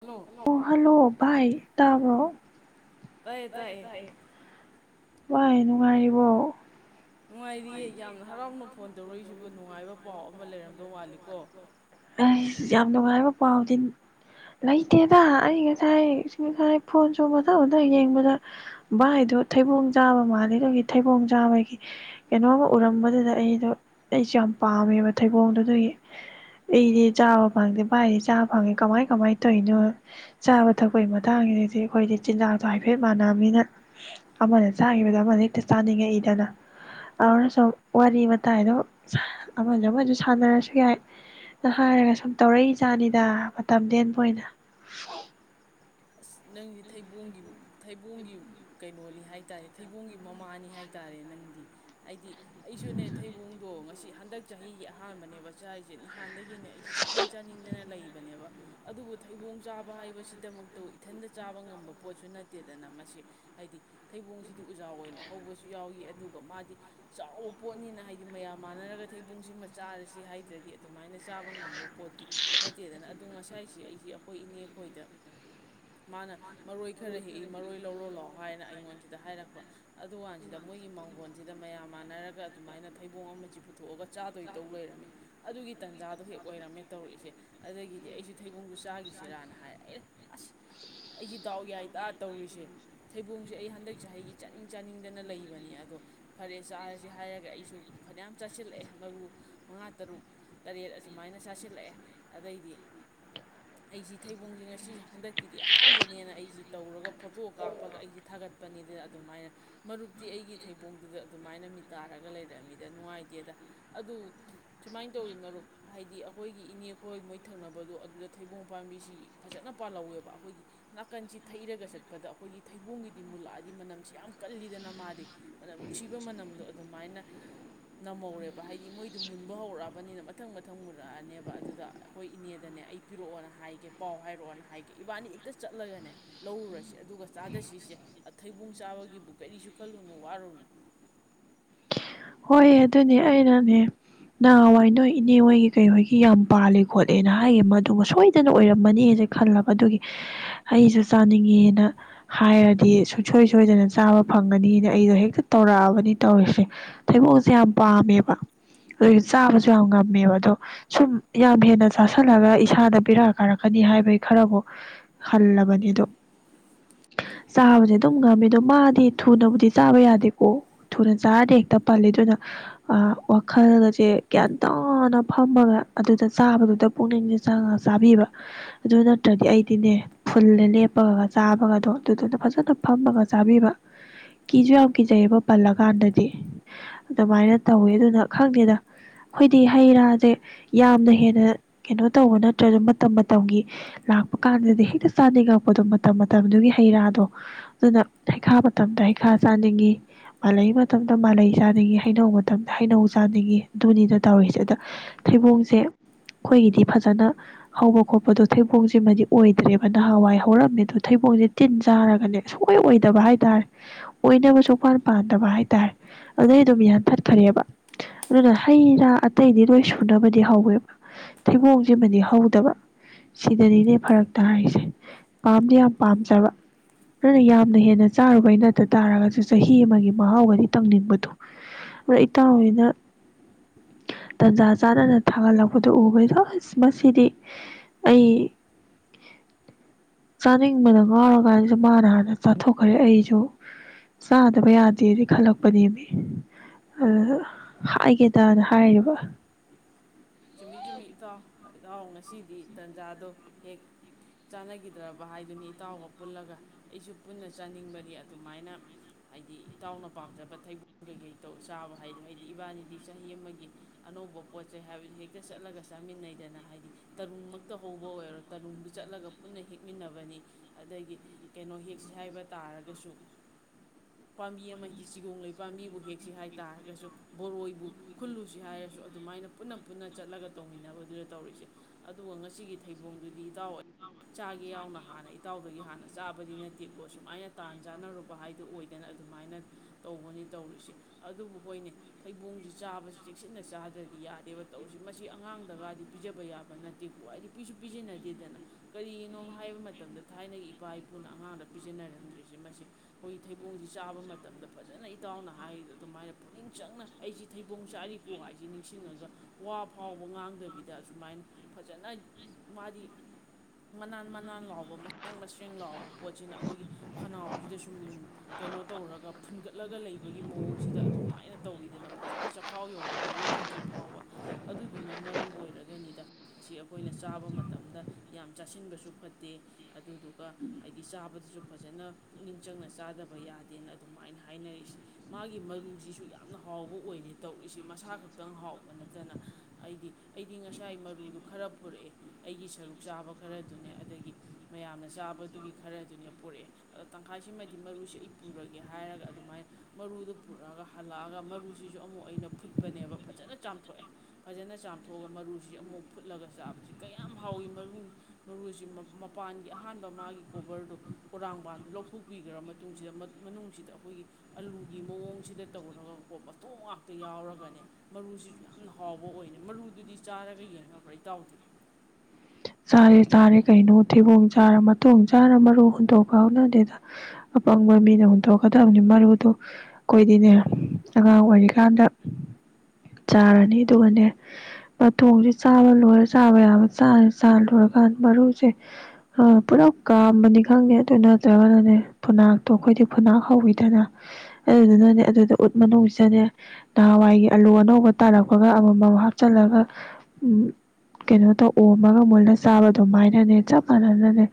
hello ꯑꯣ hello ꯚꯏ ꯇꯥꯕꯣ ꯇꯥꯏꯌꯦ ꯍ ꯇꯥꯏꯌꯦ ꯇꯌꯦ ꯋꯥꯚꯥꯏ ꯅꯨꯡꯉꯥꯏꯔꯤꯕꯣ ꯅꯨꯡꯉꯥꯏꯔꯤꯌꯦ ꯌꯥꯝꯅ ꯍꯔꯥꯎꯅ ꯐꯣꯟ ꯇꯧꯔꯛꯏꯁꯤꯕ ꯅꯨꯡꯉꯥꯏꯕ ꯄꯥꯎ ꯑꯃ ꯂꯩꯔꯝꯗ ꯋꯥꯠꯂꯤꯀꯣ ꯑꯩ ꯌꯥꯝ ꯅꯨꯡꯉꯥꯏꯕ ꯄꯥꯎꯗꯤ ꯂꯩꯇꯦꯗ ꯑꯩ ꯉꯁꯥꯏ ꯉꯁꯥꯏ ꯐꯣꯟꯁꯨ ꯃꯊꯪ ꯃꯊ ꯌꯦꯡꯕꯗ ꯚꯥꯏꯗꯣ ꯊꯩꯕꯣꯡ ꯆꯥꯕ ꯃꯥꯜꯂꯤ ꯑꯗꯨꯒꯤ ꯊꯩꯕꯣꯡ ꯆꯥꯕꯒꯤ ꯀꯩꯅꯣꯝꯃ ꯎꯔꯝꯕꯗꯨꯗ ꯑꯩꯗꯣ ꯑꯩꯁꯨ ꯌꯥꯝ ꯄꯥꯝꯃꯦꯕ ꯊꯩꯕꯣꯡꯗꯨꯗꯒꯤ ꯑꯩꯗꯤ ꯆꯥꯕ ꯐꯪꯗꯦ ꯚꯥꯏꯗꯤ ꯆꯥꯕ ꯐꯪꯉꯦ ꯀꯃꯥꯏ ꯀꯃꯥꯏ ꯇꯧꯔꯤꯅꯣ ꯆꯥꯕ ꯊꯛꯄꯒꯤ ꯃꯇꯥꯡꯁꯤꯗꯗꯤ ꯑꯩꯈꯣꯏꯗꯤ ꯆꯤꯟꯖꯥꯛꯇꯣ ꯍꯥꯏꯐꯦꯠ ꯃꯥꯟꯅꯤꯅ ꯑꯃꯅ ꯆꯥꯈꯤꯕꯗ ꯑꯃꯗ ꯍꯦꯛꯇ ꯆꯥꯅꯤꯡꯉꯛꯏꯗꯅ ꯑꯗꯨꯔꯁꯨ ꯋꯥꯔꯤ ꯋꯥꯇꯥꯏꯗꯣ ꯑꯃꯁꯨ ꯑꯃꯁꯨ ꯁꯥꯟꯅꯔꯁꯨ ꯌꯥꯏ ꯍꯥꯏꯔꯒ ꯁꯨꯝ ꯇꯧꯔꯛꯏ ꯏꯖꯥꯠꯅꯤꯗ ꯃꯇꯝ ꯇꯦꯟꯕ ꯑꯣꯏꯅ ꯑꯁ ꯅꯪꯗꯤ ꯊꯩꯕꯣꯡꯒꯤ ꯊꯩꯕꯣꯡꯒꯤ ꯀꯩꯅꯣꯅꯤ ꯍꯥꯏ ꯇꯥꯔꯦ ꯊꯩꯕꯣꯡꯒꯤ ꯃꯃꯥꯅꯤ ꯍꯥꯏ ꯇꯥꯔꯦ ꯅꯪꯗꯤ ꯍꯥꯏꯗꯤ ꯑꯩꯁꯨꯅꯦ ꯊꯩꯕꯣꯡꯗꯣ ꯉꯁꯤ ꯍꯟꯗꯛ ꯆꯍꯤꯒꯤ ꯑꯍꯥꯟꯕꯅꯦꯕ ꯆꯁꯦ ꯅꯍꯥꯟ ꯍꯥꯟꯅꯗꯒꯤꯅꯦ ꯑꯩꯁ ꯆꯥꯅꯤꯡ ꯆꯥꯅꯤꯡꯗꯅ ꯂꯩꯕꯅꯦꯕ ꯑꯗꯨꯕꯨ ꯊꯩꯕꯣꯡ ꯆꯥꯕ ꯍꯥꯏꯕꯁꯤꯗꯃꯛ ꯑꯧ ꯏꯊꯟꯗ ꯆꯥꯕ ꯉꯝꯕ ꯄꯣꯠꯁꯨ ꯅꯠꯇꯦꯗꯅ ꯃꯁꯦ ꯍꯥꯏꯗꯤ ꯊꯩꯕꯣꯡꯁꯤꯗꯤ ꯎꯖꯥꯎ ꯑꯣꯏꯅ ꯍꯧꯕꯁꯨ ꯌꯥꯎꯏ ꯑꯗꯨꯒ ꯃꯥꯗꯤ ꯆꯥꯎꯕ ꯄꯣꯠꯅꯤꯅ ꯍꯥꯏꯗꯤ ꯃꯌꯥꯝ ꯃꯥꯟꯅꯔꯒ ꯊꯩꯕꯣꯡꯁꯤꯃ ꯆꯥꯔꯁꯤ ꯍꯥꯏꯗ꯭ꯔꯗꯤ ꯑꯗꯨꯃꯥꯏꯅ ꯆꯥꯕ ꯉꯝꯕ ꯄꯣꯠꯇꯤ ꯅꯠꯇꯦꯗꯅ ꯑꯗꯨ ꯉꯁꯥꯏꯁꯤ ꯑꯩꯁꯤ ꯑꯩꯈꯣꯏ ꯏꯅꯦ ꯈꯣꯏꯗ ꯃꯥꯅ ꯃꯔꯣꯏ ꯈꯔ ꯍꯦꯛꯏ ꯃꯔꯣꯏ ꯂꯧꯔꯣ ꯂꯥꯛꯑꯣ ꯍꯥꯏꯅ ꯑꯩꯉꯣꯟꯁꯤꯗ ꯍꯥꯏꯔꯛꯄ ꯑꯗꯨ ꯀꯥꯟꯁꯤꯗ ꯃꯣꯏꯒꯤ ꯃꯥꯡꯒꯣꯟꯁꯤꯗ ꯃꯌꯥꯝ ꯃꯥꯟꯅꯔꯒ ꯑꯗꯨꯃꯥꯏꯅ ꯊꯩꯕꯣꯡ ꯑꯃꯁꯤ ꯄꯨꯊꯣꯛꯑꯒ ꯆꯥꯗꯣꯏ ꯇꯧ ꯂꯩꯔꯝꯃꯤ ꯑꯗꯨꯒꯤ ꯇꯥꯟꯖꯥꯗꯣ ꯍꯦꯛ ꯑꯣꯏꯔꯝꯃꯦ ꯇꯧꯔꯛꯏꯁꯦ ꯑꯗꯒꯤꯗꯤ ꯑꯩꯁꯨ ꯊꯩꯕꯣꯡꯗꯨ ꯆꯥꯈꯤꯁꯤꯔꯅ ꯍꯥꯏꯔ ꯑꯦ ꯑꯁ ꯑꯩꯁꯤ ꯗꯥꯎ ꯌꯥꯏꯇꯥ ꯇꯧꯔꯤꯁꯦ ꯊꯩꯕꯣꯡꯁꯦ ꯑꯩ ꯍꯟꯗꯛ ꯆꯍꯤꯒꯤ ꯆꯥꯅꯤꯡ ꯆꯥꯅꯤꯡꯗꯅ ꯂꯩꯕꯅꯤ ꯑꯗꯣ ꯐꯔꯦ ꯆꯥꯔꯁꯦ ꯍꯥꯏꯔꯒ ꯑꯩꯁꯨ ꯐꯅꯌꯥꯝ ꯆꯥꯁꯤꯜꯂꯛꯑꯦ ꯃꯔꯨ ꯃꯉꯥ ꯇꯔꯨꯛ ꯇꯔꯦꯠ ꯑꯁꯨꯃꯥꯏꯅ ꯆꯥꯁꯤꯜꯂꯛꯑꯦ ꯑꯗꯩꯗꯤ ꯑꯩꯁꯤ ꯊꯩꯕꯣꯡꯁꯤꯦ ꯉꯁꯤ ꯍꯟꯗꯛ ꯀꯗꯤ ꯑꯍꯥꯟꯕꯅꯦꯅ ꯑꯩꯁꯤ ꯇꯧꯔꯒ ꯐꯣꯇꯣ ꯀꯥꯞꯄꯒ ꯑꯩꯁꯦ ꯊꯥꯒꯠꯄꯅꯦꯗꯅ ꯑꯗꯨꯃꯥꯏꯅ ꯃꯔꯨꯞꯇꯤ ꯑꯩꯒꯤ ꯊꯩꯕꯣꯡꯗꯨꯗ ꯑꯗꯨꯃꯥꯏꯅ ꯃꯤ ꯇꯥꯔꯒ ꯂꯩꯔꯛꯑꯃꯤꯗ ꯅꯨꯡꯉꯥꯏꯇꯦꯗ ꯑꯗꯨ ꯁꯨꯃꯥꯏꯅ ꯇꯧꯋꯤ ꯃꯔꯨꯞ ꯍꯥꯏꯗꯤ ꯑꯩꯈꯣꯏꯒꯤ ꯏꯅꯦꯈꯣꯏ ꯃꯣꯏ ꯊꯪꯅꯕꯗꯣ ꯑꯗꯨꯗ ꯊꯩꯕꯣꯡ ꯄꯥꯝꯕꯤꯁꯤ ꯐꯖꯅ ꯄꯥꯜꯍꯧꯋꯦꯕ ꯑꯩꯈꯣꯏꯒꯤ ꯅꯥꯀꯟꯁꯤ ꯊꯩꯔꯒ ꯆꯠꯄꯗ ꯑꯩꯈꯣꯏꯒꯤ ꯊꯩꯕꯣꯡꯒꯤꯗꯤ ꯃꯨꯜꯂꯛꯑꯗꯤ ꯃꯅꯝꯁꯤ ꯌꯥꯝ ꯀꯜꯂꯤꯗꯅ ꯃꯥꯜꯂꯤꯦ ꯃꯅꯝ ꯅꯨꯡꯁꯤꯕ ꯃꯅꯝꯗꯣ ꯑꯗꯨꯃꯥꯏꯅ ꯅꯝꯍꯧꯔꯦꯕ ꯍꯥꯏꯗꯤ ꯃꯣꯏꯗꯣ ꯃꯨꯟꯕ ꯍꯧꯔꯛꯑꯕꯅꯤꯅ ꯃꯊꯪ ꯃꯊꯪ ꯃꯨꯜꯂꯛꯑꯅꯦꯕ ꯑꯗꯨꯗ ꯑꯩꯈꯣꯏ ꯏꯅꯦꯗꯅꯦ ꯑꯩ ꯄꯤꯔꯛꯑꯣꯅ ꯍꯥꯏꯒꯦ ꯄꯥꯎ ꯍꯥꯏꯔꯛꯑꯣꯅ ꯍꯥꯏꯒꯦ ꯏꯕꯥꯅꯤ ꯍꯦꯛꯇ ꯆꯠꯂꯒꯅꯦ ꯂꯧꯔꯨꯔꯁꯦ ꯑꯗꯨꯒ ꯆꯥꯗꯁꯤꯁꯦ ꯊꯩꯕꯣꯡ ꯆꯥꯕꯒꯤꯕꯨ ꯀꯔꯤꯁꯨ ꯈꯜꯂꯨꯅꯨ ꯋꯥꯔꯨꯅꯨ ꯍꯣꯏ ꯑꯗꯨꯅꯦ ꯑꯩꯅꯅꯦ ꯅꯍꯥꯟꯋꯥꯏ ꯅꯣꯏ ꯏꯅꯦ ꯍꯣꯏꯒꯤ ꯀꯩꯍꯣꯏꯒꯤ ꯌꯥꯝ ꯄꯥꯜꯂꯦ ꯈꯣꯠꯂꯦꯅ ꯍꯥꯏꯌꯦ ꯃꯗꯨꯕꯨ ꯁꯣꯏꯗꯅ ꯑꯣꯏꯔꯝꯃꯅꯤꯁꯦ ꯈꯜꯂꯕ ꯑꯗꯨꯒꯤ ꯑꯩꯁꯨ ꯆꯥꯅꯤꯡꯉꯦꯅ ꯍꯥꯏꯔꯗꯤ ꯁꯨꯡꯁꯣꯏ ꯁꯣꯏꯗꯅ ꯆꯥꯕ ꯐꯪꯒꯅꯤꯅ ꯑꯩꯗꯣ ꯍꯦꯛꯇ ꯇꯧꯔꯛꯑꯕꯅꯤ ꯇꯧꯔꯤꯁꯦ ꯊꯩꯕꯣꯡꯁꯦ ꯌꯥꯝ ꯄꯥꯝꯃꯦꯕ ꯑꯗꯨꯁꯨ ꯆꯥꯕꯁꯨ ꯌꯥꯝ ꯉꯝꯃꯦꯕ ꯑꯗꯣ ꯁꯨꯝ ꯌꯥꯝ ꯍꯦꯟꯅ ꯆꯥꯥꯁꯜꯂꯒ ꯏꯁꯥꯗ ꯄꯤꯔꯛꯑ ꯀꯥꯔꯛꯀꯅꯤ ꯍꯥꯏꯕꯒꯤ ꯈꯔꯕꯨ ꯍꯜꯂꯕꯅꯤ ꯑꯗꯣ ꯆꯥꯕꯁꯦ ꯑꯗꯨꯝ ꯉꯝꯃꯦ ꯑꯗꯣ ꯃꯥꯗꯤ ꯊꯨꯅꯕꯨꯗꯤ ꯆꯥꯕ ꯌꯥꯗꯦꯀꯣ ꯊꯨꯅ ꯆꯥꯔꯗꯦ ꯇ ꯄꯜꯂꯤ ꯑꯗꯨꯅ ꯋꯥꯈꯜꯒꯁꯦ ꯒ꯭ꯌꯥꯟ ꯇꯥꯅ ꯐꯝꯃꯒ ꯑꯗꯨꯗ ꯆꯥꯕꯗꯨꯗ ꯄꯨꯛꯅꯤꯡꯁꯦ ꯆꯪꯉꯒ ꯆꯥꯕꯤꯕ ꯑꯗꯨ ꯅꯠꯇ꯭ꯔꯗꯤ ꯑꯩꯗꯤꯅꯦ ꯐꯨꯜꯂꯦ ꯂꯦꯞꯄꯒ ꯆꯥꯕꯒꯗꯣ ꯑꯗꯨꯗꯨꯅ ꯐꯖꯅ ꯐꯝꯃꯒ ꯆꯥꯕꯤꯕ ꯀꯤꯁꯨ ꯌꯥꯝ ꯀꯤꯖꯩꯌꯦꯕ ꯄꯜꯂꯀꯥꯟꯗꯗꯤ ꯑꯗꯨꯃꯥꯏꯅ ꯇꯧꯋꯦ ꯑꯗꯨꯅ ꯈꯪꯗꯦꯗ ꯑꯩꯈꯣꯏꯗꯤ ꯍꯩ ꯔꯥꯁꯦ ꯌꯥꯝꯅ ꯍꯦꯟꯅ ꯀꯩꯅꯣ ꯇꯧꯕ ꯅꯠꯇ꯭ꯔꯁꯨ ꯃꯇꯝ ꯃꯇꯝꯒꯤ ꯂꯥꯛꯄ ꯀꯥꯟꯗꯗꯤ ꯍꯦꯛꯇ ꯆꯥꯅꯤꯡꯉꯛꯄꯗꯣ ꯃꯇꯝ ꯃꯇꯝꯗꯨꯒꯤ ꯍꯩ ꯔꯥꯗꯣ ꯑꯗꯨꯅ ꯍꯩꯈꯥ ꯃꯇꯝꯗ ꯍꯩꯈꯥ ꯆꯥꯅꯤꯡꯉꯤ ꯃꯥꯂꯩ ꯃꯇꯝꯗ ꯃꯥꯂꯩ ꯆꯥꯅꯤꯡꯉꯤ ꯍꯩꯅꯧ ꯃꯇꯝꯗ ꯍꯩꯅꯧ ꯆꯥꯅꯤꯡꯏꯤ ꯑꯗꯨꯅꯤꯗ ꯇꯧꯔꯤꯁꯦ ꯑꯗ ꯊꯩꯕꯣꯡꯁꯦ ꯑꯩꯈꯣꯏꯒꯤꯗꯤ ꯐꯖꯅ ꯍꯧꯕ ꯈꯣꯠꯄꯗꯣ ꯊꯩꯕꯣꯡꯁꯤꯃꯗꯤ ꯑꯣꯏꯗ꯭ꯔꯦꯕ ꯅꯍꯥꯟꯋꯥꯏ ꯍꯧꯔꯝꯃꯦ ꯑꯗꯣ ꯊꯩꯕꯣꯡꯁꯦ ꯇꯤꯟ ꯆꯥꯔꯒꯅꯦ ꯁꯨꯡꯛꯑꯣ ꯑꯣꯏꯗꯕ ꯍꯥꯏ ꯇꯔꯦ ꯑꯣꯏꯅꯕꯁꯨꯄꯥꯟ ꯄꯥꯟꯗꯕ ꯍꯥꯏ ꯇꯔꯦ ꯑꯗꯨꯩ ꯑꯗꯨꯝ ꯌꯥꯟꯊꯠꯈꯔꯦꯕ ꯑꯗꯨꯅ ꯍꯩ ꯔꯥ ꯑꯇꯩꯗꯤ ꯂꯣꯏ ꯁꯨꯅꯕꯗꯤ ꯍꯧꯋꯦꯕ ꯊꯩꯕꯣꯡꯁꯤꯃꯗꯤ ꯍꯧꯗꯕ ꯁꯤꯗꯅꯤꯅꯦ ꯐꯔꯛꯛꯇ ꯍꯥꯏꯁꯦ ꯄꯥꯝꯗꯤ ꯌꯥꯝ ꯄꯥꯝꯖꯕ ꯑꯗꯨꯅ ꯌꯥꯝꯅ ꯍꯦꯟꯅ ꯆꯥꯔꯨꯕꯩ ꯅꯠꯇ ꯇꯥꯔꯒꯁꯨ ꯆꯍꯤ ꯑꯃꯒꯤ ꯃꯍꯥꯎꯒꯗꯤ ꯇꯧꯅꯤꯡꯕꯗ ꯑꯗ ꯏꯇꯥꯎ ꯍꯣꯏꯅ ꯇꯟꯖꯥ ꯆꯥꯅꯅ ꯊꯥꯒꯠꯂꯛꯄꯗꯣ ꯎꯕꯅꯤꯗ ꯑꯁ ꯃꯁꯤꯗꯤ ꯑꯩ ꯆꯥꯅꯤꯡꯕꯗ ꯉꯥꯎꯔꯀꯥꯟꯗꯁꯨ ꯃꯥꯅ ꯍꯥꯟꯅ ꯆꯥꯊꯣꯛꯈ꯭ꯔꯦ ꯑꯩꯁꯨ ꯆꯥꯗꯕ ꯌꯥꯗꯦꯗꯤ ꯈꯜꯂꯛꯄꯅꯦꯃꯤ ꯑ ꯍꯥꯏꯒꯦꯗꯅ ꯍꯥꯏꯔꯤꯕ ꯆꯨꯝꯃꯤꯠ ꯆꯨꯝꯃꯤꯠ ꯏꯇꯥꯎ ꯏꯇꯥꯎ ꯉꯁꯤꯗꯤ ꯇꯟꯖꯥꯗꯣ ꯍꯦꯛ ꯆꯥꯅꯈꯤꯗ꯭ꯔꯕ ꯍꯥꯏꯗꯨꯅꯤ ꯏꯇꯥꯎꯒ ꯄꯨꯜꯂꯒ ꯑꯩꯁꯨ ꯄꯨꯟꯅ ꯆꯥꯅꯤꯡꯕꯗꯤ ꯑꯗꯨꯃꯥꯏꯅ ꯍꯥꯏꯗꯤ ꯏꯇꯥꯎꯅ ꯄꯥꯝꯖꯕ ꯊꯩꯕꯜ ꯀꯩꯀꯩ ꯇꯧ ꯆꯥꯕ ꯍꯥꯏꯗ ꯍꯥꯏꯗꯤ ꯏꯕꯥꯅꯤꯗꯤ ꯆꯍꯤ ꯑꯃꯒꯤ ꯑꯅꯧꯕ ꯄꯣꯠ ꯆꯩ ꯍꯥꯏꯕꯗꯤ ꯍꯦꯛ ꯍꯦꯛꯇ ꯆꯠꯂꯒ ꯆꯥꯃꯤꯟꯅꯩꯗꯅ ꯍꯥꯏꯗꯤ ꯇꯔꯨꯡꯃꯛꯇ ꯍꯧꯕ ꯑꯣꯏꯔꯣ ꯇꯔꯨꯡꯕꯨ ꯆꯠꯂꯒ ꯄꯨꯟꯅ ꯍꯦꯛꯃꯤꯟꯅꯕꯅꯤ ꯑꯗꯒꯤ ꯀꯩꯅꯣ ꯍꯦꯛꯁꯤ ꯍꯥꯏꯕ ꯇꯥꯔꯒꯁꯨ ꯄꯥꯝꯕꯤ ꯑꯃ ꯍꯥꯏꯗꯤ ꯁꯤꯒꯣ ꯂꯩꯩ ꯄꯥꯝꯕꯤꯕꯨ ꯍꯦꯛꯁꯤ ꯍꯥꯏ ꯇꯥꯔꯒꯁꯨ ꯕꯣꯔꯣꯏꯕꯨ ꯈꯨꯜꯂꯨꯁꯤ ꯍꯥꯏꯔꯁꯨ ꯑꯗꯨꯃꯥꯏꯅ ꯄꯨꯟꯅ ꯄꯨꯟꯅ ꯆꯠꯂꯒ ꯇꯧꯃꯤꯟꯅꯕꯗꯨꯗ ꯇꯧꯔꯤꯁꯦ ꯑꯗꯨꯒ ꯉꯁꯤꯒꯤ ꯊꯩꯕꯣꯡꯗꯨꯗꯤ ꯏꯇꯥꯎ ꯑꯣꯏ ꯆꯥꯒꯦ ꯌꯥꯎꯅ ꯍꯥꯟꯅ ꯏꯇꯥꯎꯗꯒꯤ ꯍꯥꯟꯅ ꯆꯥꯕꯗꯤ ꯅꯠꯇꯦꯀꯣ ꯁꯨꯃꯥꯏꯅ ꯇꯥꯟ ꯆꯥꯅꯔꯨꯕ ꯍꯥꯏꯗꯨ ꯑꯣꯏꯗꯅ ꯑꯗꯨꯃꯥꯏꯅ ꯇꯧꯕꯅꯤ ꯇꯧꯔꯤꯁꯦ ꯑꯗꯨꯕꯨ ꯍꯣꯏꯅꯦ ꯊꯩꯕꯣꯡꯁꯤ ꯆꯥꯕꯁꯤ ꯆꯦꯛꯁꯤꯟꯅ ꯆꯥꯗ꯭ꯔꯗꯤ ꯌꯥꯗꯦꯕ ꯇꯧꯔꯤꯁꯤ ꯃꯁꯤ ꯑꯉꯥꯡꯗꯒꯗꯤ ꯄꯤꯖꯕ ꯌꯥꯕ ꯅꯠꯇꯦꯀ ꯍꯥꯏꯗꯤ ꯄꯤꯁꯨ ꯄꯤꯖꯟꯅꯗꯦꯗꯅ ꯀꯔꯤꯒꯤꯅꯣ ꯍꯥꯏꯕ ꯃꯇꯝꯗ ꯊꯥꯏꯅꯒꯤ ꯏꯄꯥ ꯏꯄꯨꯅ ꯑꯉꯥꯡꯗ ꯄꯤꯖꯟꯅꯔꯝꯗ꯭ꯔꯤꯁꯦ ꯃꯁꯤ ꯑꯩꯈꯣꯏꯒꯤ ꯊꯩꯕꯣꯡꯁꯤ ꯆꯥꯕ ꯃꯇꯝꯗ ꯐꯖꯅ ꯏꯇꯥꯎꯅ ꯍꯥꯏꯔꯤꯗ ꯑꯗꯨꯃꯥꯏꯅ ꯄꯨꯛꯅꯤꯡ ꯆꯪꯅ ꯑꯩꯁꯤ ꯊꯩꯕꯣꯡ ꯆꯥꯔꯤꯀꯣ ꯍꯥꯏꯁꯤ ꯅꯤꯡꯁꯤꯡꯉꯒ ꯋꯥ ꯐꯥꯎꯕ ꯉꯥꯡꯗꯕꯤꯗ ꯁꯁꯨꯃꯥꯏꯅ ꯐꯖꯅ ꯃꯥꯗꯤ ꯃꯅꯥꯟ ꯃꯅꯥꯟ ꯂꯥꯎꯕ ꯃꯁꯤꯡꯦꯡ ꯃꯁꯤꯡꯦꯡ ꯂꯥꯎꯕ ꯄꯣꯠꯁꯤꯅ ꯑꯩꯈꯣꯏꯒꯤ ꯈꯅꯥꯎꯁꯤꯗ ꯁꯨꯝ ꯀꯩꯅꯣ ꯇꯧꯔꯒ ꯐꯨꯟꯒꯠꯂꯒ ꯂꯩꯕꯒꯤ ꯃꯑꯣꯡꯁꯤꯗ ꯑꯗꯨꯃꯥꯏꯅ ꯇꯧꯕꯤꯗꯅ ꯐꯖꯅ ꯆꯈꯥꯎ ꯌꯧꯔꯒ ꯌꯣꯠꯊꯗ꯭ꯔꯤ ꯐꯥꯎꯕ ꯑꯗꯨꯗꯨꯅ ꯃꯔꯝ ꯑꯣꯏꯔꯒꯅꯤꯗ ꯑꯁꯤ ꯑꯩꯈꯣꯏꯅ ꯆꯥꯕ ꯃꯇꯝꯗ ꯌꯥꯝ ꯆꯥꯁꯤꯟꯕꯁꯨ ꯐꯠꯇꯦ ꯑꯗꯨꯗꯨꯒ ꯍꯥꯏꯗꯤ ꯆꯥꯕꯗꯁꯨ ꯐꯖꯅ ꯄꯨꯛꯅꯤꯡ ꯆꯪꯅ ꯆꯥꯗꯕ ꯌꯥꯗꯦꯅ ꯑꯗꯨꯃꯥꯏꯅ ꯍꯥꯏꯅꯔꯛꯏꯁꯦ ꯃꯥꯒꯤ ꯃꯔꯨꯁꯤꯁꯨ ꯌꯥꯝꯅ ꯍꯥꯎꯕ ꯑꯣꯏꯔꯦ ꯇꯧꯔꯤꯁꯤ ꯃꯁꯥ ꯈꯛꯇꯪ ꯍꯥꯎ ꯅꯠꯇꯅ ꯑꯩꯗꯤ ꯑꯩꯗꯤ ꯉꯁꯥꯏ ꯃꯔꯨꯗꯨ ꯈꯔ ꯄꯨꯔꯛꯑꯦ ꯑꯩꯒꯤ ꯁꯔꯨꯛ ꯆꯥꯕ ꯈꯔꯗꯨꯅꯦ ꯑꯗꯒꯤ ꯃꯌꯥꯝꯅ ꯆꯥꯕꯗꯨꯒꯤ ꯈꯔꯗꯨꯅꯦ ꯄꯨꯔꯛꯑꯦ ꯑꯗꯣ ꯇꯪꯈꯥꯏꯁꯤꯃꯗꯤ ꯃꯔꯨꯁꯤ ꯑꯩ ꯄꯨꯔꯒꯦ ꯍꯥꯏꯔꯒ ꯑꯗꯨꯃꯥꯏꯅ ꯃꯔꯨꯗꯨ ꯄꯨꯔꯛꯑꯒ ꯍꯜꯂꯛꯑꯒ ꯃꯔꯨꯁꯤꯁꯨ ꯑꯃꯨꯛ ꯑꯩꯅ ꯐꯨꯠꯄꯅꯦꯕ ꯐꯖꯅ ꯆꯥꯝꯊꯣꯛꯑꯦ ꯐꯖꯅ ꯆꯥꯝꯊꯣꯛꯑꯒ ꯃꯔꯨꯁꯤ ꯑꯃꯨꯛ ꯐꯨꯠꯂꯒ ꯆꯥꯕꯁꯤ ꯀꯌꯥꯝ ꯍꯥꯎꯏꯤ ꯃꯔꯨ ꯃꯔꯨꯁꯤ ꯃꯄꯥꯟꯒꯤ ꯑꯍꯥꯟꯕ ꯃꯥꯒꯤ ꯀꯣꯕꯔꯗꯣ ꯀꯣꯔꯥꯡꯕꯥꯟꯗꯨ ꯂꯧꯊꯣꯛꯄꯤꯈ꯭ꯔ ꯃꯇꯨꯡꯁꯤꯗ ꯃꯅꯨꯡꯁꯤꯗ ꯑꯩꯈꯣꯏꯒꯤ ꯑꯂꯨꯒꯤ ꯃꯑꯣꯡꯁꯤꯗ ꯇꯧꯔꯒꯀꯣ ꯃꯇꯣ ꯉꯥꯛꯇ ꯌꯥꯎꯔꯒꯅꯦ ꯃꯔꯨꯁꯤ ꯌꯥꯝꯅ ꯍꯥꯎꯕ ꯑꯣꯏꯅ ꯃꯔꯨꯗꯨꯗꯤ ꯆꯥꯔꯒ ꯌꯦꯡꯅꯕ꯭ꯔꯥ ꯏꯇꯥꯎꯗ꯭ ꯆꯥꯔꯦ ꯆꯥꯔꯦ ꯀꯩꯅꯣ ꯊꯤꯕꯣꯡ ꯆꯥꯔ ꯃꯇꯣꯡ ꯆꯥꯔ ꯃꯔꯨ ꯍꯨꯟꯇꯣꯛꯄ ꯍꯧꯥꯎꯅꯗꯦꯗ ꯑꯄꯪꯕ ꯃꯤꯅ ꯍꯨꯟꯇꯣꯛꯀꯗꯕꯅꯤ ꯃꯔꯨꯗ ꯑꯩꯈꯣꯏꯗꯤꯅꯦ ꯑꯉꯥꯡ ꯑꯣꯏꯔꯤꯀꯥꯟꯗ ꯆꯥꯔꯅꯤ ꯑꯗꯨꯒꯅꯦ ꯃꯇꯣꯡꯁꯦ ꯆꯥꯕ ꯂꯣꯏꯔ ꯆꯥꯕ ꯌꯥꯕ ꯆꯥꯂꯨꯔꯀꯥꯟ ꯃꯔꯨꯁꯦ ꯄꯨꯂꯞ ꯀꯥꯝꯕꯅꯤ ꯈꯪꯗꯦ ꯑꯗꯨ ꯅꯠꯇ꯭ꯔꯒꯅꯅꯦ ꯐꯨꯅꯥꯛꯇꯣ ꯑꯩꯈꯣꯏꯗꯤ ꯐꯨꯅꯥꯛ ꯍꯧꯋꯤꯗꯅ ꯑꯗꯨꯗꯨꯅꯅꯦ ꯑꯗꯨꯗ ꯎꯠ ꯃꯅꯨꯡꯁꯤꯗꯅꯦ ꯅꯍꯥꯟꯋꯥꯏꯒꯤ ꯑꯂꯨ ꯑꯅꯧꯕ ꯇꯥꯜꯔꯛꯄꯒ ꯑꯃꯃꯝ ꯍꯥꯞꯆꯤꯜꯂꯒ ꯀꯩꯅꯣ ꯇꯧꯑꯣ ꯑꯃꯒ ꯃꯣꯏꯅ ꯆꯥꯕ ꯑꯗꯨꯃꯥꯏꯅꯅꯦ ꯆꯞ ꯃꯅꯅꯅꯦ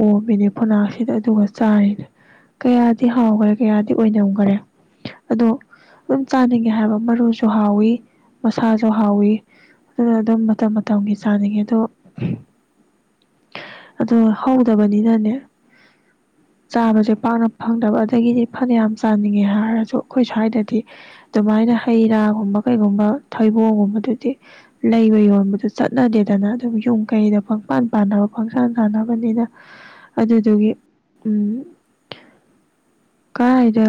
ꯑꯣꯝꯃꯤꯅꯦ ꯐꯅꯥꯁꯤꯗ ꯑꯗꯨꯒ ꯆꯥꯔꯤꯅꯦ ꯀꯌꯥꯗꯤ ꯍꯥꯎꯈꯔꯦ ꯀꯌꯥꯗꯤ ꯑꯣꯏꯅꯝꯈꯔꯦ ꯑꯗꯣ ꯑꯗꯨꯝ ꯆꯥꯅꯤꯡꯉꯦ ꯍꯥꯏꯕ ꯃꯔꯨꯁꯨ ꯍꯥꯎꯏꯤ ꯃꯁꯥꯁꯨ ꯍꯥꯎꯏ ꯑꯗꯨꯅ ꯑꯗꯨꯝ ꯃꯇꯝ ꯃꯇꯝꯒꯤ ꯆꯥꯅꯤꯡꯉꯦ ꯑꯗꯣ ꯑꯣ ꯍꯧꯗꯕꯅꯤꯅꯅꯦ ꯆꯥꯕꯁꯦ ꯄꯥꯛꯅ ꯐꯪꯗꯕ ꯑꯗꯒꯤꯗꯤ ꯐꯅ ꯌꯥꯝ ꯆꯥꯅꯤꯡꯉꯦ ꯍꯥꯏꯔꯁꯨ ꯑꯩꯈꯣꯏ ꯁ꯭ꯋꯥꯏꯗꯗꯤ ꯑꯗꯨꯃꯥꯏꯅ ꯍꯩ ꯔꯥꯒꯨꯝꯕ ꯀꯩꯒꯨꯝꯕ ꯊꯩꯕꯣꯡꯒꯨꯝꯕꯗꯨꯗꯤ ꯂꯩꯕ ꯌꯣꯟꯕꯗ ꯆꯠꯅꯗꯦꯗꯅ ꯑꯗꯨꯝ ꯌꯨꯝ ꯀꯩꯗ ꯐꯪꯄꯥꯟ ꯄꯥꯟꯅꯕ ꯐꯪꯁꯥꯟ ꯁꯥꯟꯅꯕꯅꯤꯅ ꯑꯗꯨꯗꯨꯒꯤ ꯎꯝ ꯀꯗꯥꯥꯏꯗ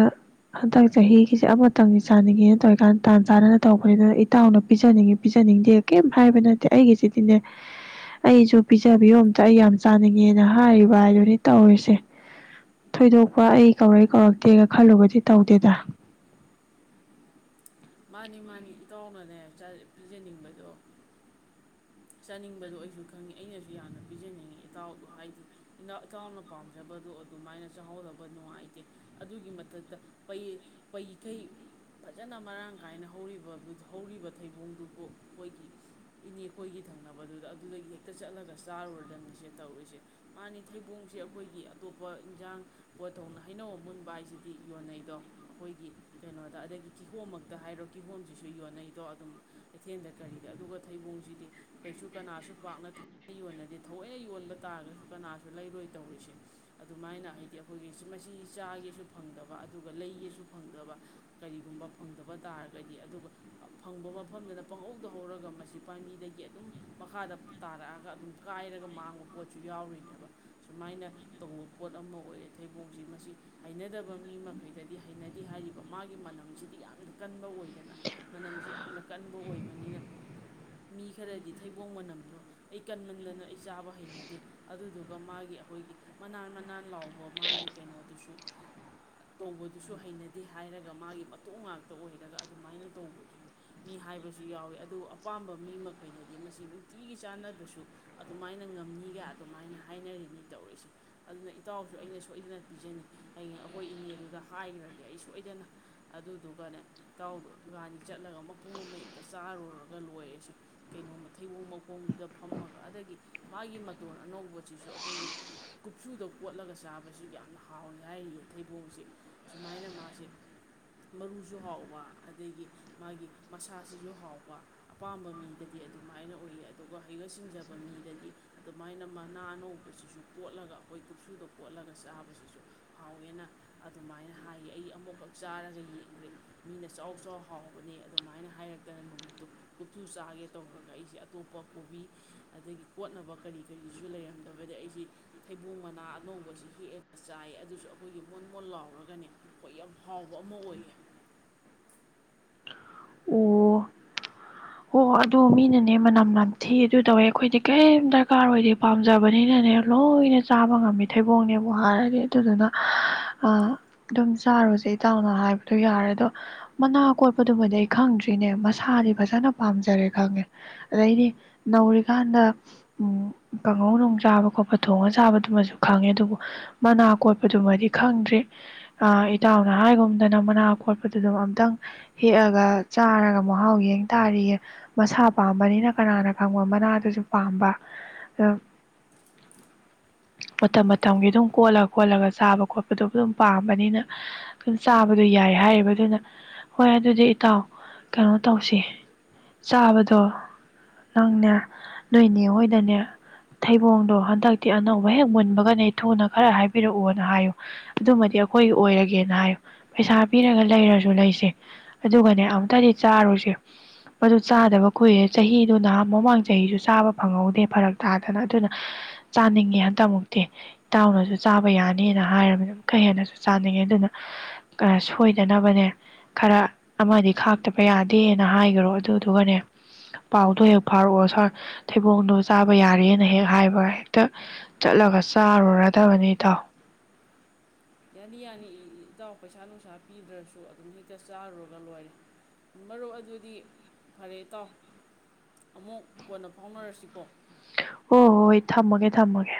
ꯍꯟꯗꯛ ꯆꯍꯤꯒꯤꯁꯦ ꯑꯃꯇꯪꯒꯤ ꯆꯥꯅꯤꯡꯉꯦꯅ ꯇꯧꯔꯤꯀꯥꯟꯗ ꯇꯥꯟ ꯆꯥꯟꯅꯅ ꯇꯧꯕꯅꯤꯗ ꯏꯇꯥꯎꯅ ꯄꯤꯖꯅꯤꯡꯉꯤ ꯄꯤꯖꯅꯤꯡꯗꯦ ꯀꯩꯝ ꯍꯥꯏꯕ ꯅꯠꯇꯦ ꯑꯩꯒꯤꯁꯤꯗꯤꯅꯦ ꯑꯩꯁꯨ ꯄꯤꯖꯕꯤꯌꯣ ꯑꯝꯇ ꯑꯩ ꯌꯥꯝ ꯆꯥꯅꯤꯡꯉꯦꯅ ꯍꯥꯏꯔꯤꯕ ꯍꯥꯏꯗꯨꯅꯤ ꯇꯧꯔꯤꯁꯦ ꯊꯣꯏꯗꯣꯛꯄ ꯑꯩ ꯀꯧꯔꯛꯏ ꯀꯧꯔꯛꯇꯦꯒ ꯈꯜꯂꯨꯕꯗꯤ ꯇꯧꯗꯦꯗ ꯃꯥꯅꯤ ꯃꯥꯅꯤ ꯏꯇꯥꯎꯅꯅꯦ ꯄꯤꯖꯅꯤꯡꯕꯗꯣ ꯆꯥꯅꯤꯡꯕꯗꯣ ꯑꯩꯁꯨ ꯈꯪꯉꯤ ꯑꯩꯅꯁꯨ ꯌꯥꯝꯅ ꯄꯤꯖꯅꯤꯡꯉꯤ ꯏꯇꯥꯎꯗꯣ ꯍꯥꯏꯗꯤ ꯏꯇꯥꯎꯅ ꯄꯥꯝꯖꯕꯗꯣ ꯑꯗꯨꯃꯥꯏꯅ ꯆꯥꯍꯧꯗꯕ ꯅꯨꯡꯉꯥꯏꯇꯦ ꯑꯗꯨꯒꯤ ꯃꯊꯛꯇ ꯄꯩꯊꯩ ꯐꯖꯅ ꯃꯔꯥꯡ ꯀꯥꯏꯅ ꯍꯧꯔꯤꯕ ꯍꯧꯔꯤꯕ ꯊꯩꯕꯣꯡꯗꯨꯕꯨ ꯑꯩꯈꯣꯏꯒꯤꯅꯦ ꯑꯩꯈꯣꯏꯒꯤ ꯊꯪꯅꯕꯗꯨꯗ ꯑꯗꯨꯗꯒꯤ ꯍꯦꯛꯇ ꯆꯠꯂꯒ ꯆꯥꯔꯨꯔꯗꯅꯤꯁꯦ ꯇꯧꯔꯨꯏꯁꯦ ꯃꯥꯅꯤ ꯊꯩꯕꯣꯡꯁꯦ ꯑꯩꯈꯣꯏꯒꯤ ꯑꯇꯣꯞꯄ ꯏꯟꯖꯥꯡ ꯄꯣꯠꯊꯣꯡꯅ ꯍꯩꯅꯧ ꯃꯨꯟꯕ ꯍꯥꯏꯁꯤꯗꯤ ꯌꯣꯟꯅꯩꯗꯣ ꯑꯩꯈꯣꯏꯒꯤ ꯀꯩꯅꯣꯗ ꯑꯗꯒꯤ ꯀꯤꯍꯣꯝꯃꯛꯇ ꯍꯥꯏꯔꯣ ꯀꯤꯍꯣꯝꯁꯤꯁꯨ ꯌꯣꯟꯅꯩꯗꯣ ꯑꯗꯨꯝ ꯀꯩꯊꯦꯜꯗ ꯀꯔꯤꯗ ꯑꯗꯨꯒ ꯊꯩꯕꯣꯡꯁꯤꯗꯤ ꯀꯩꯁꯨ ꯀꯅꯥꯁꯨ ꯄꯥꯛꯅ ꯊꯏꯅ ꯌꯣꯟꯅꯗꯦ ꯊꯑꯣꯏꯅ ꯌꯣꯟꯕ ꯇꯥꯔꯒꯁꯨ ꯀꯅꯥꯁꯨ ꯂꯩꯔꯣꯏ ꯇꯧꯔꯤꯁꯦ ꯑꯗꯨꯃꯥꯏꯅ ꯍꯥꯏꯗꯤ ꯑꯩꯈꯣꯏꯒꯤ ꯃꯁꯤꯁꯤ ꯆꯥꯒꯦꯁꯨ ꯐꯪꯗꯕ ꯑꯗꯨꯒ ꯂꯩꯒꯦꯁꯨ ꯐꯪꯗꯕ ꯀꯔꯤꯒꯨꯝꯕ ꯐꯪꯗꯕ ꯇꯥꯔꯒꯗꯤ ꯑꯗꯨꯒ ꯐꯪꯕ ꯃꯐꯝꯗꯨꯗ ꯄꯪꯍꯧꯗ ꯍꯧꯧꯔꯒ ꯃꯁꯤ ꯄꯥꯝꯕꯤꯗꯒꯤ ꯒꯤ ꯑꯗꯨꯝ ꯃꯈꯥꯗ ꯇꯥꯔꯛꯑꯒ ꯑꯗꯨꯝ ꯀꯥꯏꯔꯒ ꯃꯥꯡꯕ ꯄꯣꯠꯁꯨ ꯌꯥꯎꯔꯤꯅꯦꯕ ꯁꯨꯃꯥꯏꯅ ꯇꯧꯕ ꯄꯣꯠ ꯑꯃ ꯑꯣꯏꯔꯦ ꯊꯩꯕꯣꯛꯁꯤ ꯃꯁꯤ ꯍꯩꯅꯗꯕ ꯃꯤ ꯃꯈꯩꯗꯗꯤ ꯍꯩꯅꯗꯦ ꯍꯥꯏꯔꯤꯕ ꯃꯥꯒꯤ ꯃꯅꯝꯁꯤꯗꯤ ꯌꯥꯝꯅ ꯀꯟꯕ ꯑꯣꯏꯗꯅ ꯃꯅꯝꯁꯤ ꯌꯥꯝꯅ ꯀꯟꯕ ꯑꯣꯏꯕꯅꯤꯅ ꯃꯤ ꯈꯔꯗꯤ ꯊꯩꯕꯣꯡ ꯃꯅꯝꯗꯣ ꯑꯩ ꯀꯟꯃꯟꯗꯅ ꯑꯩ ꯆꯥꯕ ꯍꯩꯅꯗꯦ ꯑꯗꯨꯗꯨꯒ ꯃꯥꯒꯤ ꯑꯩꯈꯣꯏꯒꯤ ꯃꯅꯥꯟ ꯃꯅꯥꯟ ꯂꯥꯎꯕ ꯃꯥꯒꯤ ꯀꯩꯅꯣꯗꯨꯁꯨ ꯇꯧꯕꯗꯨꯁꯨ ꯍꯩꯅꯗꯦ ꯍꯥꯏꯔꯒ ꯃꯥꯒꯤ ꯃꯇꯣꯛ ꯉꯥꯛꯇ ꯑꯣꯏꯔꯒ ꯑꯗꯨꯃꯥꯏꯅ ꯇꯧꯕꯗꯨꯁꯨ ꯃꯤ ꯍꯥꯏꯕꯁꯨ ꯌꯥꯎꯋꯤ ꯑꯗꯨ ꯑꯄꯥꯝꯕ ꯃꯤ ꯑꯩꯈꯣꯏꯅꯗꯤ ꯃꯁꯤ ꯅꯨꯡꯇꯤꯒꯤ ꯆꯥꯟꯅꯕꯁꯨ ꯑꯗꯨꯃꯥꯏꯅ ꯉꯝꯅꯤꯒ ꯑꯗꯨꯃꯥꯏꯅ ꯍꯥꯏꯅꯔꯤꯅꯤ ꯇꯧꯔꯤꯁꯦ ꯑꯗꯨꯅ ꯏꯇꯥꯎꯁꯨ ꯑꯩꯅ ꯁꯣꯏꯗꯅ ꯄꯤꯖꯅꯤ ꯑ ꯑꯩꯈꯣꯏ ꯏꯅꯦꯗꯨꯗ ꯍꯥꯏꯈ꯭ꯔꯒꯦ ꯑꯩ ꯁꯣꯏꯗꯅ ꯑꯗꯨꯗꯨꯒꯅꯦ ꯏꯇꯥꯎꯗꯣ ꯏꯕꯥꯅꯤ ꯆꯠꯂꯒ ꯃꯄꯨꯡ ꯑꯃ ꯍꯦꯛꯇ ꯆꯥꯔꯨꯔꯒ ꯂꯣꯏꯔꯤꯁꯦ ꯀꯩꯅꯣꯝꯃ ꯊꯩꯕꯣꯡ ꯃꯈꯣꯡꯗꯨꯗ ꯐꯝꯃꯒ ꯑꯗꯒꯤ ꯃꯥꯒꯤ ꯃꯇꯣꯟ ꯑꯅꯧꯕꯁꯤꯁꯨ ꯑꯩꯈꯣꯏꯒꯤ ꯀꯨꯞꯁꯨꯗ ꯀꯣꯠꯂꯒ ꯆꯥꯕꯁꯤ ꯌꯥꯝꯅ ꯍꯥꯎꯏꯤ ꯍꯥꯏꯔꯤꯌꯦ ꯊꯩꯕꯣꯡꯁꯦ ꯑꯁꯨꯃꯥꯏꯅ ꯃꯥꯁꯦ ꯃꯔꯨꯁꯨ ꯍꯥꯎꯕ ꯑꯗꯒꯤ ꯃꯥꯒꯤ ꯃꯁꯥꯁꯤꯁꯨ ꯍꯥꯎꯕ ꯑꯄꯥꯝꯕ ꯃꯤ ꯗꯗꯤ ꯑꯗꯨꯃꯥꯏꯅ ꯎꯌꯦ ꯑꯗꯨꯒ ꯍꯩꯒ ꯁꯤꯡꯖꯕ ꯃꯤꯗꯗꯤ ꯑꯗꯨꯃꯥꯏꯅ ꯃꯅꯥ ꯑꯅꯧꯕꯁꯤꯁꯨ ꯀꯣꯠꯂꯒ ꯑꯩꯈꯣꯏ ꯀꯨꯞꯁꯨꯗ ꯀꯣꯠꯂꯒ ꯆꯥꯕꯁꯤꯁꯨ ꯍꯥꯎꯋꯦꯅ ꯑꯗꯨꯃꯥꯏꯅ ꯍꯥꯏꯌꯦ ꯑꯩ ꯑꯃꯨꯛꯈꯛ ꯆꯥꯔꯒ ꯌꯦꯡꯒ꯭ꯔꯦ ꯃꯤꯅ ꯆꯥꯎ ꯆꯥꯎ ꯍꯥꯎꯕꯅꯦ ꯑꯗꯨꯃꯥꯏꯅ ꯍꯥꯏꯔꯛꯇꯅ ꯅꯨꯃꯤꯠꯇꯨ ꯀꯨꯞꯁꯨꯨ ꯆꯥꯒꯦ ꯇꯧꯔꯒ ꯑꯩꯁꯦ ꯑꯇꯣꯞꯄ ꯀꯣꯕꯤ ꯑꯗꯒꯤ ꯀꯣꯠꯅꯕ ꯀꯔꯤ ꯀꯔꯤꯁꯨ ꯂꯩꯔꯝꯗꯕꯗ ꯑꯩꯁꯤ ꯊꯩꯕꯣꯡ ꯃꯅꯥ ꯑꯅꯧꯕꯁꯤ ꯍꯦꯛꯑꯦꯒ ꯆꯥꯏ ꯑꯗꯨꯁꯨ ꯑꯩꯈꯣꯏꯒꯤ ꯃꯣꯣꯟ ꯃꯣꯟꯣꯟ ꯂꯥꯎꯔꯒꯅꯦ ꯑꯩꯈꯣꯏ ꯌꯥꯝ ꯍꯥꯎꯕ ꯑꯃ ꯑꯣꯏꯌꯦ ꯑꯣ ꯍꯣ ꯑꯗꯨ ꯃꯤꯅꯅꯦ ꯃꯅꯝ ꯅꯝꯊꯤ ꯑꯗꯨ ꯇꯧꯋꯦ ꯑꯩꯈꯣꯏꯗꯤ ꯀꯩꯝ ꯗꯔꯀꯥꯔ ꯑꯣꯏꯗꯦ ꯄꯥꯝꯖꯕꯅꯤꯅꯅꯦ ꯂꯣꯏꯅ ꯆꯥꯕ ꯉꯝꯃꯦ ꯊꯩꯕꯣꯡꯅꯦꯕꯨ ꯍꯥꯏꯔꯗꯤ ꯑꯗꯨꯗꯨꯅ ꯑꯗꯨꯝ ꯆꯥꯔꯨꯁꯦ ꯏꯇꯥꯎꯅ ꯍꯥꯏꯕꯗꯣ ꯌꯥꯔꯦ ꯑꯗꯣ ꯃꯅꯥ ꯀꯣꯠꯄꯗꯨꯃꯗꯤ ꯈꯪꯗ꯭ꯔꯤꯅꯦ ꯃꯁꯥꯗꯤ ꯐꯖꯅ ꯄꯥꯝꯖꯔꯦ ꯈꯪꯉꯦ ꯑꯗꯩꯗꯤ ꯅꯧꯔꯤꯀꯥꯟꯗ ꯀꯥꯡꯍꯧ ꯅꯨꯡ ꯆꯥꯕ ꯈꯣꯠꯄ ꯊꯣꯡꯉ ꯆꯥꯕꯗꯨꯃꯁꯨ ꯈꯪꯉꯦ ꯑꯗꯨꯕꯨ ꯃꯅꯥ ꯀꯣꯠꯄꯗꯨꯃꯗꯤ ꯈꯪꯗ꯭ꯔꯤ ꯏꯇꯥꯎꯅ ꯍꯥꯏꯒꯨꯝꯗꯅ ꯃꯅꯥ ꯀꯣꯠꯄꯗꯨꯗꯝ ꯑꯝꯇꯪ ꯍꯦꯛꯑꯒ ꯆꯥꯔꯒ ꯃꯍꯥꯎ ꯌꯦꯡ ꯇꯥꯔꯤꯌꯦ ꯃꯁꯥ ꯄꯥꯝꯕꯅꯤꯅ ꯀꯅꯥꯅ ꯈꯪꯕ ꯃꯅꯥꯗꯨꯁꯨ ꯄꯥꯝꯕ ꯑꯣ ꯃꯇꯝ ꯃꯇꯝꯒꯤ ꯑꯗꯨꯝ ꯀꯣꯠꯂ ꯈꯣꯠꯂꯒ ꯆꯥꯕ ꯈꯣꯠꯄꯗꯨ ꯑꯗꯨꯝ ꯄꯥꯝꯕꯅꯤꯅ ꯑꯗꯨꯝ ꯆꯥꯕꯗꯣ ꯌꯥꯏ ꯍꯥꯏꯌꯦꯕ ꯑꯗꯨꯅ ꯍꯣꯏ ꯑꯗꯨꯗꯤ ꯏꯇꯥꯎ ꯀꯩꯅꯣ ꯇꯧꯁꯤ ꯆꯥꯕꯗꯣ ꯅꯪꯅꯦ ꯅꯣꯏꯅꯦ ꯍꯣꯏꯗꯅꯦ ꯊꯩꯕꯣꯡꯗꯣ ꯍꯟꯗꯛꯇꯤ ꯑꯅꯧꯕ ꯍꯦꯛ ꯃꯨꯟꯕꯒꯅꯦ ꯊꯨꯅ ꯈꯔ ꯍꯥꯏꯕꯤꯔꯛꯑꯣꯅ ꯍꯥꯏꯌꯨ ꯑꯗꯨꯃꯗꯤ ꯑꯩꯈꯣꯏꯒꯤ ꯑꯣꯏꯔꯒꯦꯅ ꯍꯥꯏꯌꯨ ꯄꯩꯁꯥ ꯄꯤꯔꯒ ꯂꯩꯔꯁꯨ ꯂꯩꯁꯦ ꯑꯗꯨꯒꯅꯦ ꯑꯝꯇꯗꯤ ꯆꯥꯔꯨꯁꯦ ꯃꯗꯨ ꯆꯥꯗꯕ ꯀꯨꯏꯔꯦ ꯆꯍꯤꯗꯨ ꯅꯍꯥꯟ ꯃꯃꯥꯡ ꯆꯍꯤꯁꯨ ꯆꯥꯕ ꯐꯪꯍꯧꯗꯦ ꯐꯔꯛ ꯇꯥꯗꯅ ꯑꯗꯨꯅ ꯆꯥꯅꯤꯡꯉꯦ ꯍꯟꯇꯃꯨꯛꯇꯤ ꯏꯇꯥꯎꯅꯁꯨ ꯆꯥꯕ ꯌꯥꯅꯤꯅ ꯍꯥꯏꯔꯕꯅꯤꯀ ꯍꯦꯟꯅꯁꯨ ꯆꯥꯅꯤꯡꯉꯦ ꯑꯗꯨꯅ ꯁꯣꯏꯗꯅꯕꯅꯦ ꯈꯔ ꯑꯃꯗꯤ ꯈꯥꯛ ꯆꯠꯇꯕ ꯌꯥꯗꯦꯅ ꯍꯥꯏꯈꯔꯣ ꯑꯗꯨꯗꯨꯒꯅꯦ ꯄꯥꯎꯗꯣ ꯍꯦꯛ ꯐꯥꯎꯔꯛꯑꯣ ꯁꯥ ꯊꯩꯕꯣꯡꯗꯣ ꯆꯥꯕ ꯌꯥꯔꯦꯅ ꯍꯦꯛ ꯍꯥꯏꯕ ꯍꯦꯛꯇ ꯆꯠꯂꯒ ꯆꯥꯔꯨꯔꯗꯕꯅꯤ ꯏꯇꯥꯎ ꯌꯥꯅꯤ ꯌꯥꯅꯤ ꯏꯇꯥꯎ ꯄꯩꯁꯥ ꯅꯨꯡꯁꯥ ꯄꯤꯗ꯭ꯔꯁꯨ ꯑꯗꯨꯝ ꯍꯦꯛꯇ ꯆꯥꯔꯨꯔꯒ ꯂꯣꯏꯔꯦ ꯃꯔꯨꯞ ꯑꯗꯨꯗꯤ ꯐꯔꯦ ꯏꯇꯥꯎ ꯑꯃꯨꯛ ꯀꯣꯟꯅ ꯐꯥꯎꯅꯔꯁꯤꯀꯣ ꯑꯣ ꯍ ꯍꯣꯏ ꯊꯝꯃꯒꯦ ꯊꯝꯃꯒꯦ